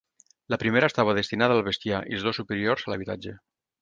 La primera estava destinada al bestiar i els dos superiors a l'habitatge.